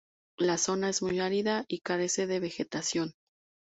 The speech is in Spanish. La zona es muy árida y carece de vegetación.